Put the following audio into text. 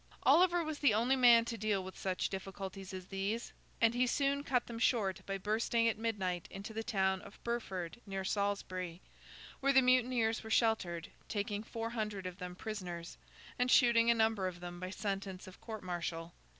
Oliver was the only man to deal with such difficulties as these, and he soon cut them short by bursting at midnight into the town of Burford, near Salisbury, where the mutineers were sheltered, taking four hundred of them prisoners, and shooting a number of them by sentence of court martial.